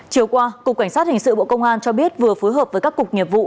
chiều qua cục cảnh sát hình sự bộ công an cho biết vừa phối hợp với các cục nghiệp vụ